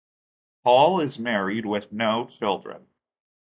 Paul is married with no children.